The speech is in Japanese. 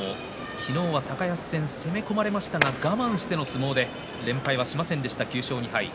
昨日は高安戦攻め込まれましたが我慢しての相撲で連敗はしませんでした、９勝２敗。